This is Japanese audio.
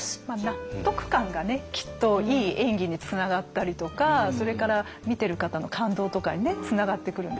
納得感がねきっといい演技につながったりとかそれから見てる方の感動とかにつながってくるんですよね。